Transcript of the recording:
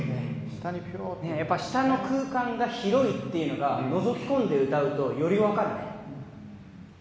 やっぱ下の空間が広いっていうのがのぞき込んで歌うとより分かるね。